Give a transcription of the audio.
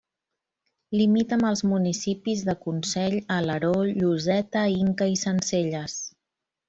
Limita amb els municipis de Consell, Alaró, Lloseta, Inca i Sencelles.